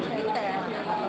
saya ingin mencari